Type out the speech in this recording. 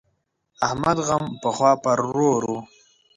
احمد غم پخوا پر ورور وو.